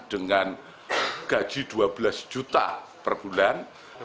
dengan gaji dua belas juta per bulan